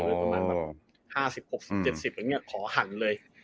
ประมาณประมาณ๕๐๖๐๗๐อย่างนี้ขอหันเลย